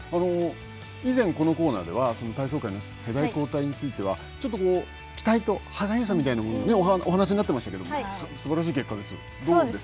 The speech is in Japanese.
以前このコーナーでは体操界の世代交代については、期待と歯がゆさみたいなこともお話しになっていましたがすばらしい結果です。